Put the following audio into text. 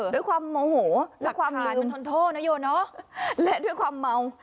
ด้วยความโมโหและความลืมและด้วยความเมา